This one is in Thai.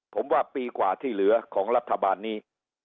ผมว่าปีกว่าที่เหลือของรัฐบาลนี้